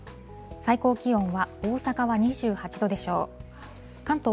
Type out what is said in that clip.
最高気温は新潟は２８度でしょう。